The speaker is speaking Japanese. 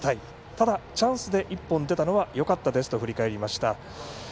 ただ、チャンスで１本出たのはよかったですと振り返りました。